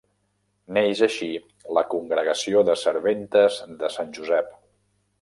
Neix així la Congregació de Serventes de Sant Josep.